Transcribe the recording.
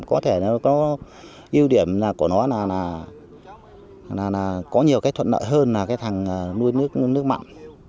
có thể nó có ưu điểm của nó là có nhiều cái thuận nợ hơn là cái thằng nuôi nước mặn